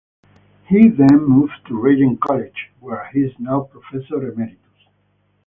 He then moved to Regent College where he is now professor emeritus.